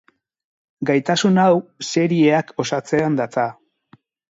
Gaitasun hau serieak osatzean datza.